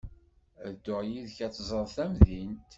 Ad dduɣ yid-k ad teẓreḍ tamdint.